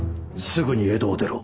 すぐに江戸を出ろ。